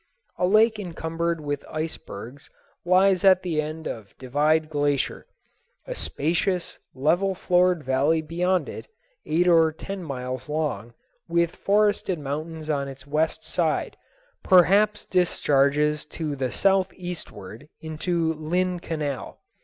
A lake encumbered with icebergs lies at the end of Divide Glacier. A spacious, level floored valley beyond it, eight or ten miles long, with forested mountains on its west side, perhaps discharges to the southeastward into Lynn Canal.